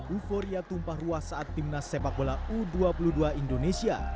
euforia tumpah ruah saat timnas sepak bola u dua puluh dua indonesia